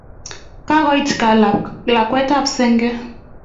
Kakoit ka lakwet ap senge.